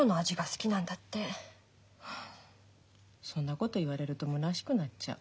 そんなこと言われるとむなしくなっちゃう。